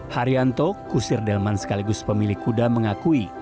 haryanto kusir delman sekaligus pemilik kuda mengakui